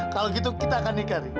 kalau gitu kita akan nikah